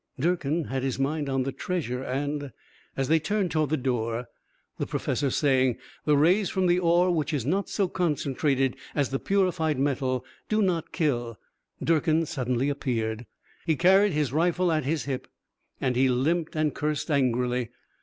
Durkin had his mind on the treasure, and As they turned toward the door, the professor saying. "The rays from the ore, which is not so concentrated as the purified metal, do not kill " Durkin suddenly appeared. He carried his rifle at his hip, and he limped and cursed angrily.